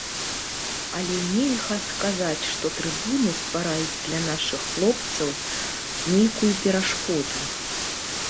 Але нельга сказаць, што трыбуны ствараюць для нашых хлопцаў нейкую перашкоду.